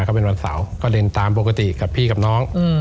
เขาเป็นวันเสาร์ก็เล่นตามปกติกับพี่กับน้อง